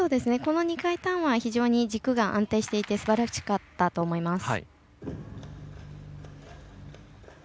２回ターンは非常に軸が安定していてすばらしかったと思います。